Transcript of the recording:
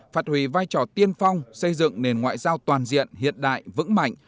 phạt hủy vai trò tiên phong xây dựng nền ngoại giao toàn diện hiện đại vững mạnh